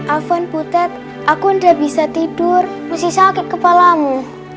afan putet aku udah bisa tidur masih sakit kepalamu